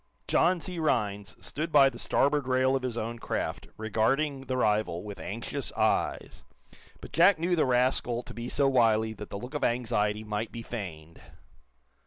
John C. Rhinds stood by the starboard rail of his own craft, regarding the rival with anxious eyes. But Jack knew the rascal to be so wily that the look of anxiety might be feigned.